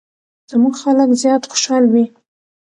زموږ خلک زیات خوشحال وي.